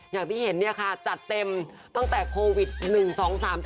อย่างที่เห็นจัดเต็มตั้งแต่โควิด๑๒๓๔จนโอะโห